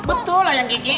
betul lah yang kiki